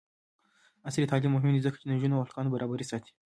عصري تعلیم مهم دی ځکه چې د نجونو او هلکانو برابري ساتي.